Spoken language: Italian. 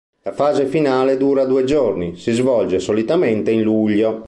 La fase finale dura due giorni, si svolge solitamente in luglio.